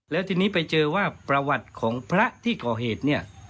แล้วทีนี้ไปเจอว่าประวัติของพระที่ก่อเหตุเนี่ย